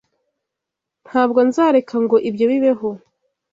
Ntabwo nzareka ngo ibyo bibeho.